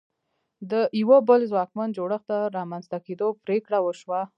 د یوه بل ځواکمن جوړښت د رامنځته کېدو پرېکړه وشوه.